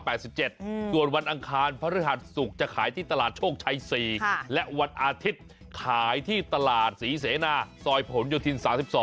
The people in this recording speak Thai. ส่วนวันอังคารพฤหัสศุกร์จะขายที่ตลาดโชคชัย๔และวันอาทิตย์ขายที่ตลาดศรีเสนาซอยผลโยธิน๓๒